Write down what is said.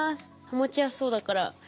持ちやすそうだから。